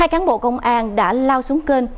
hai cán bộ công an đã lao xuống kênh